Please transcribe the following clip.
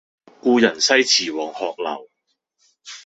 故人西辭黃鶴樓